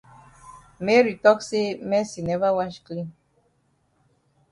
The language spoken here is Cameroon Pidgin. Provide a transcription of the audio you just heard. Mary tok say Mercy never wash clean.